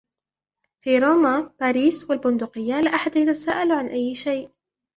في روما، باريس و البندقية، لا أحد يتساءل عن أي شيئ.